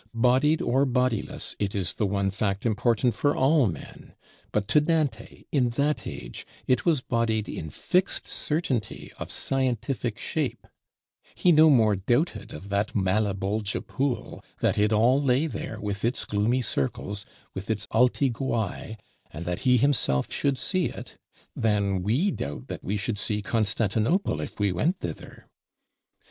Bodied or bodiless, it is the one fact important for all men: but to Dante, in that age, it was bodied in fixed certainty of scientific shape; he no more doubted of that Malebolge Pool, that it all lay there with its gloomy circles, with its alti guai, and that he himself should see it, than we doubt that we should see Constantinople if we went thither.